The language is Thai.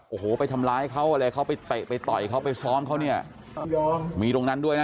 โอ้โหไปทำร้ายเขาอะไรเขาไปเตะไปต่อยเขาไปซ้อมเขาเนี่ยมีตรงนั้นด้วยนะ